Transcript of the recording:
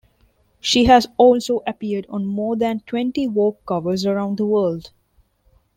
She has also appeared on more than twenty "Vogue" covers around the world.